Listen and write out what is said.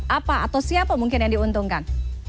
apa atau siapa mungkin yang diuntungkan